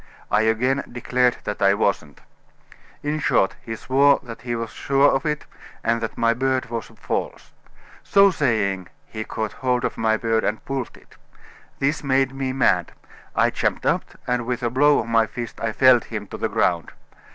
I again declared that I wasn't. In short, he swore that he was sure of it, and that my beard was false. So saying, he caught hold of my beard and pulled it. This made me mad. I jumped up, and with a blow of my fist I felled him to the ground.